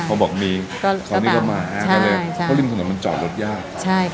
พอบอกมีพอนี้เรามาใช่ใช่เพราะริมถนนมันจอดรถยากใช่ค่ะ